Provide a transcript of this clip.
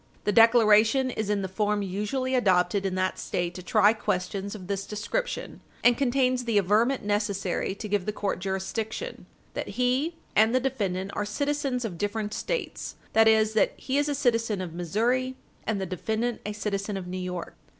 The declaration is in the form usually adopted in that State to try questions of this description, and contains the averment necessary to give the court jurisdiction; that he and the defendant are citizens of different States; that is, that he is a citizen of Missouri, and the defendant a citizen of New York.